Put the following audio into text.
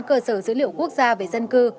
cơ sở dữ liệu quốc gia về dân cư